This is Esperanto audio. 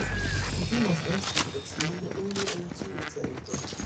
Kutimas esti proksimume unu en ĉiu cento.